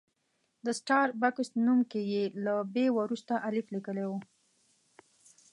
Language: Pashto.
د سټار بکس نوم کې یې له بي وروسته الف لیکلی و.